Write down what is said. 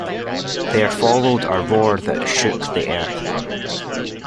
There followed a roar that shook the earth.